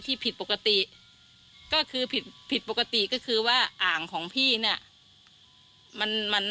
พี่ผิดปกติก็คือผิดปกติก็คือว่าอ่างของพี่น่ะ